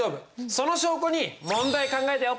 その証拠に問題考えたよ。